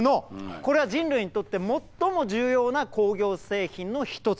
これは人類にとって最も重要な工業製品の一つと言えます。